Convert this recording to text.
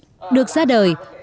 được ra đời được tạo ra được tạo ra